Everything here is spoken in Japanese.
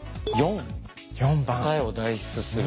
４「答えを代筆する」。